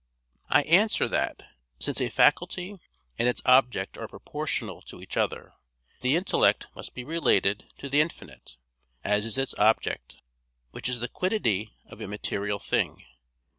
I answer that, Since a faculty and its object are proportional to each other, the intellect must be related to the infinite, as is its object, which is the quiddity of a material thing.